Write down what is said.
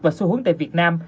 và xu hướng tại việt nam